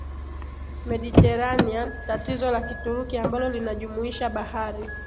Mediterranean Tatizo la Kituruki ambalo linajumuisha Bahari